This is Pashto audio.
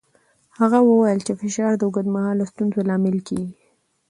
هغه وویل چې فشار د اوږدمهاله ستونزو لامل کېږي.